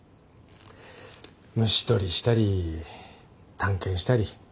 虫捕りしたり探検したり。